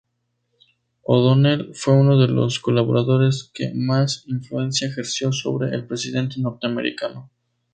O'Donnell fue uno de los colaboradores que más influencia ejerció sobre el presidente norteamericano.